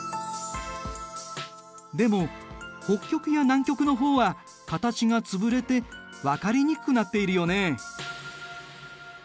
でも北極や南極の方は形が潰れて分かりにくくなっているよね。